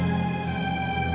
gak ada apa apa